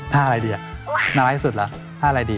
ท่าอะไรดีอ่ะน่ารักที่สุดเหรอท่าอะไรดี